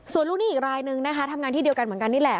ส่วนลูกหนี้อีกรายนึงนะคะทำงานที่เดียวกันเหมือนกันนี่แหละ